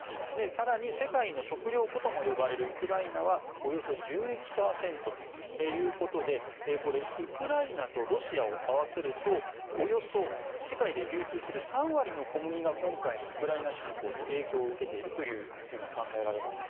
更に、世界の食糧庫とも呼ばれるウクライナはおよそ１１％ということでこれ、ウクライナとロシアを合わせるとおよそ世界で流通する３割の小麦が今回のウクライナ侵攻で影響を受けていると考えられます。